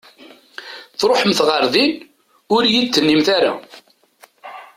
Tṛuḥemt ɣer din ur iyi-d-tennimt ara!